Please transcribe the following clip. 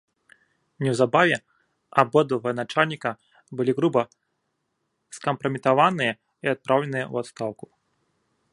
Неўзабаве абодва ваеначальніка былі груба скампраметаваныя і адпраўленыя ў адстаўку.